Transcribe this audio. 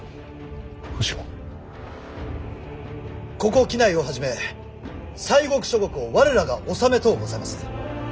ここ畿内をはじめ西国諸国を我らが治めとうございます。